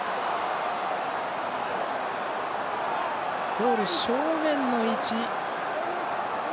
ゴール正面の位置。